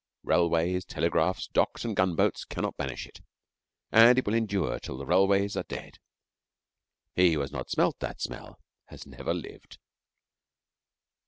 Railways, telegraphs, docks, and gunboats cannot banish it, and it will endure till the railways are dead. He who has not smelt that smell has never lived.